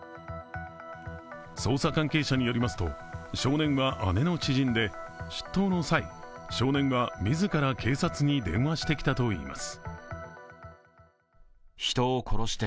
捜査関係者によりますと、少年は姉の知人で出頭の際、少年が自ら警察に電話してきたといいます。